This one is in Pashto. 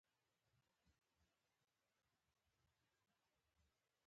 لکه څنګه چې ليدل کېږي